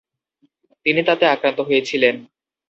তিনি তাতে আক্রান্ত হয়েছিলেন।